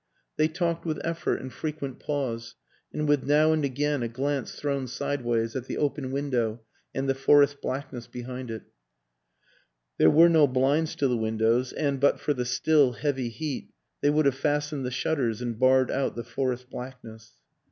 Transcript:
They talked with effort and frequent pause, and with now and again a glance thrown sideways at the open win dow and the forest blackness behind it; there were no blinds to the windows, and but for the till, heavy heat they would have fastened the shutters and barred out the forest blackness.